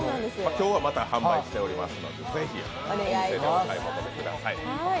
今日はまた販売しておりますのでぜひお店でお買い求めください。